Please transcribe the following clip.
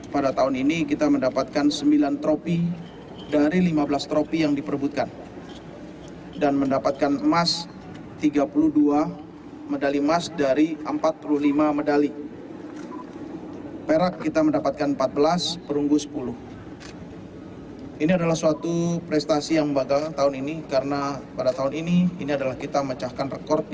pada tahun ini kita mendapatkan sembilan tropi dari lima belas tropi yang diperbutkan